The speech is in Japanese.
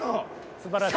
すばらしい。